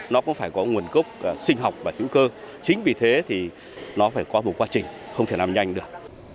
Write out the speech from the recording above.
nó cũng phải có nguồn gốc sinh học và hữu cơ chính vì thế thì nó phải có đủ quá trình không thể làm nhanh được